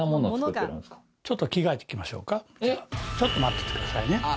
ちょっと待っててくださいね。